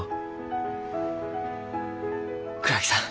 倉木さん